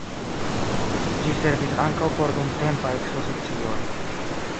Ĝi servis ankaŭ por dumtempaj ekspozicioj.